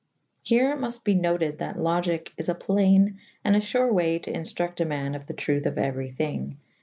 Here muft be noted * that Logike is a playne and a fure way to inftructe a man of the trouth of euery thynge.